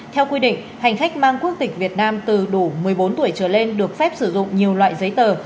theo quy định hành khách mang quốc tịch việt nam từ đủ một mươi bốn tuổi trở lên được phép sử dụng nhiều loại giấy tờ